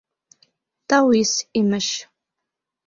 — Тауис, имеш.